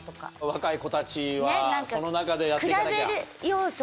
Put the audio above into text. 若い子たちはその中でやって行かなきゃ。